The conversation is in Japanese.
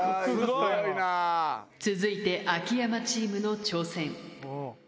続いて秋山チームの挑戦。